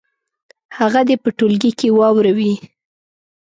هغه دې په ټولګي کې واوروي.